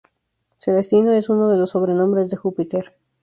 Celestino es uno de los sobrenombres de Júpiter.